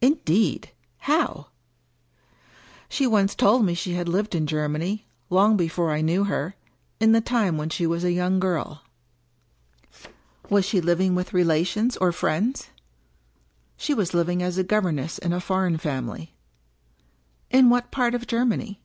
"Indeed! How?" "She once told me she had lived in Germany — ^long before I knew her — in the time when she was a young girl." " Was she living with relations or friends ?"" She was living as governess in a foreign family." " In what part of Germany